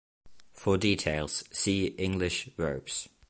For details, see English verbs.